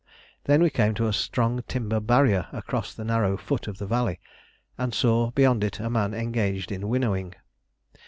Then we came to a strong timber barrier across the narrow foot of the valley, and saw beyond it a man engaged in winnowing.